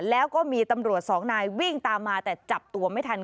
แล้วก็มีตำรวจสองนายวิ่งตามมาแต่จับตัวไม่ทัน